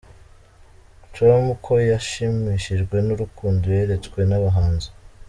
com ko yashimishijwe n’urukundo yeretswe n’abahanzi.